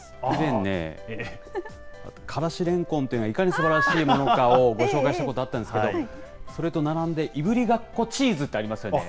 以前ね、からしレンコンっていうのがいかにすばらしいものかをご紹介したことあったんですけど、それと並んで、いぶりがっこチーズってあ好き。